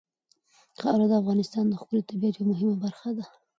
خاوره د افغانستان د ښکلي طبیعت یوه مهمه برخه ده.